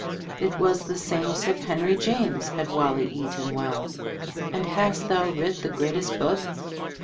It was the same'sif henryjames Had wally eaton well. "And hast thou writ the greatest book?